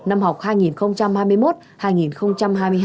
năm học hai nghìn hai mươi một hai nghìn hai mươi hai